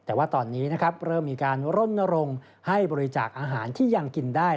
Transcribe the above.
แต่ว่าตอนนี้นะครับเริ่มมีการรณรงค์ให้บริจาคอาหารที่ยังกินได้